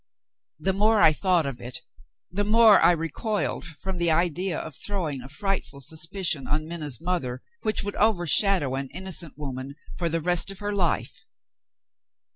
The more I thought of it, the more I recoiled from the idea of throwing a frightful suspicion on Minna's mother which would overshadow an innocent woman for the rest of her life.